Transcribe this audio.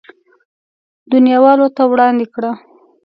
دنياوالو ته وړاندې کړه.